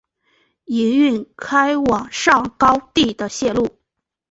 营运开往上高地的路线。